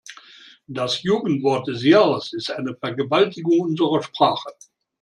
Das Jugendwort des Jahres ist eine Vergewaltigung unserer Sprache.